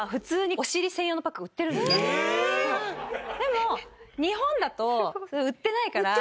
でも日本だと売ってないから。